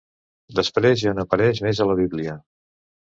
Després ja no apareix més a la Bíblia.